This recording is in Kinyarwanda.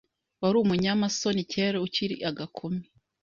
Wari umunyamasoni kera ukiri agakumi .